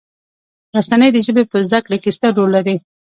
رسنۍ د ژبې په زده کړې کې ستر رول لري.